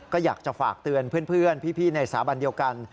ก็อยากจะฝากเตือนเพื่อนพี่ในสาบันเดียวกัน